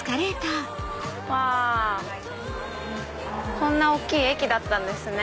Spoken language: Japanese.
こんな大きい駅だったんですね。